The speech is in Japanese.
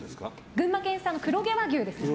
群馬県産の黒毛和牛です。